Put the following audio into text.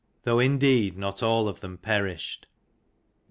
Though indeed not (all of them perished.